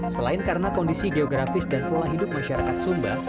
selain karena kondisi geografis dan pola hidup masyarakat sumba